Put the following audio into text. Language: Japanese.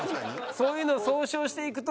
そういうのを総称していくと。